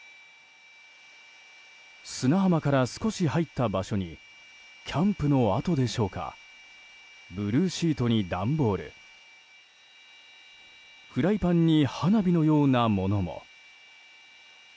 砂浜から少し入った場所にキャンプの跡でしょうかブルーシートに段ボールフライパンに花火のようなものも。